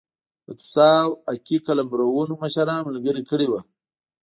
د توسا او اکي قلمرونو مشران ملګري کړي وو.